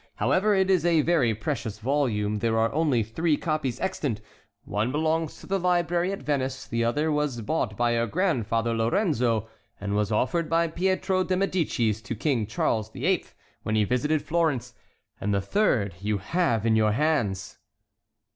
However, it is a very precious volume; there are only three copies extant—one belongs to the library at Venice, the other was bought by your grandfather Lorenzo and was offered by Pietro de Médicis to King Charles VIII., when he visited Florence, and the third you have in your hands."